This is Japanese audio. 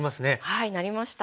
はいなりました。